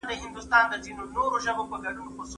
لارښود د مقالې د ارزښت په اړه غږېږي.